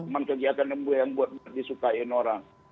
memang kegiatan yang disukai orang